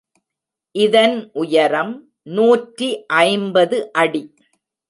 இதன் உயரம் நூற்றி ஐம்பது அடி.